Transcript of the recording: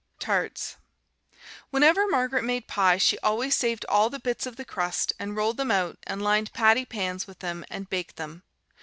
Tarts Whenever Margaret made pie she always saved all the bits of the crust and rolled them out, and lined patty pans with them and baked them.